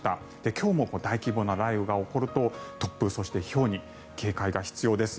今日も大規模な雷雨が起こると突風、そしてひょうに警戒が必要です。